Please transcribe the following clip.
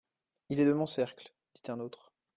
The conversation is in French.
Il est de mon cercle, dit un autre.